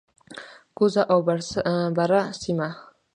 کوزه او بره سیمه،